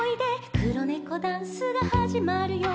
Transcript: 「くろネコダンスがはじまるよ」